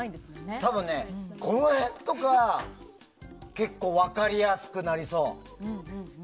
多分ね、この辺の写真立てとか結構分かりやすくなりそう。